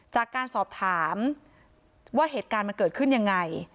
จากการสอบถามว่าเหตุการณ์มันเกิดขึ้นยังไง